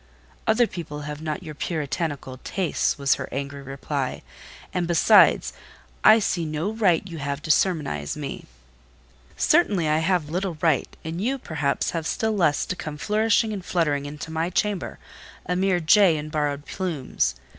"Other people have not your puritanical tastes," was her angry reply. "And, besides, I see no right you have to sermonize me." "Certainly! I have little right; and you, perhaps, have still less to come flourishing and fluttering into my chamber—a mere jay in borrowed plumes.